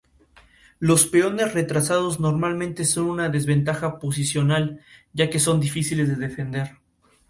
Los peones retrasados normalmente son una desventaja posicional, ya que son difíciles de defender.